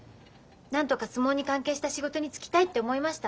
何とか相撲に関係した仕事に就きたいって思いました。